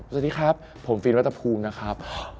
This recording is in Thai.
สวัสดีครับผมฟินรัฐภูมินะครับ